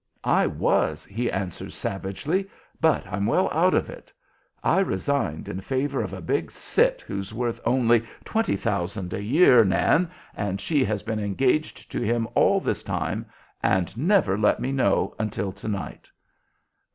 "I was," he answers, savagely; "but I'm well out of it. I resigned in favor of a big 'cit' who's worth only twenty thousand a year, Nan, and she has been engaged to him all this time and never let me know until to night."